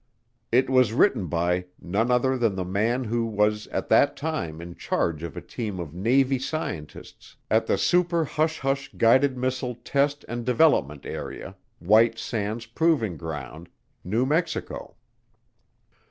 It was written by none other than the man who was at that time in charge of a team of Navy scientists at the super hush hush guided missile test and development area, White Sands Proving Ground, New Mexico.